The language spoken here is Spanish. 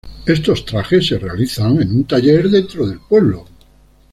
Estos trajes se realizan en un taller dentro del pueblo.